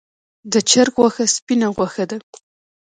د چرګ غوښه سپینه غوښه ده